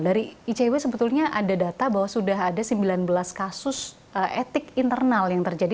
dari icw sebetulnya ada data bahwa sudah ada sembilan belas kasus etik internal yang terjadi